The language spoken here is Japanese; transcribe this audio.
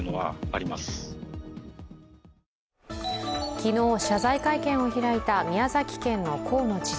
昨日、謝罪会見を開いた宮崎県の河野知事。